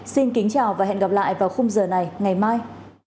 xin kính chào và hẹn gặp lại vào khung giờ này ngày mai